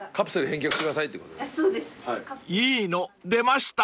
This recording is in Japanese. ［いいの出ました？］